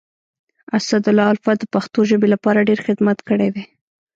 اسدالله الفت د پښتو ژبي لپاره ډير خدمت کړی دی.